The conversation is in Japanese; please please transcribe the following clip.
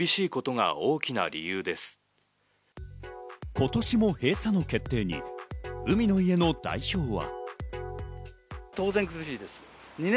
今年も閉鎖の決定に、海の家の代表は。